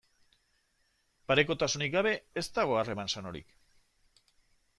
Parekotasunik gabe ez dago harreman sanorik.